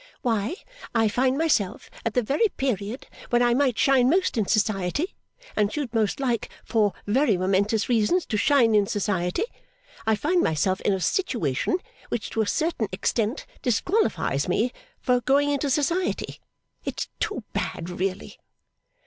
Why, I find myself at the very period when I might shine most in society, and should most like for very momentous reasons to shine in society I find myself in a situation which to a certain extent disqualifies me for going into society. It's too bad, really!